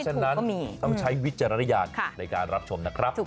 ฉะนั้นต้องใช้วิจารณญาณในการรับชมนะครับ